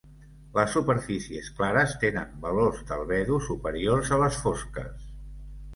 Les superfícies clares tenen valors d'albedo superiors a les fosques.